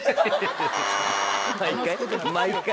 毎回？